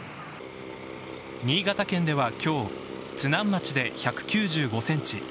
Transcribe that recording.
新潟県では今日、津南町で１９５ｃｍ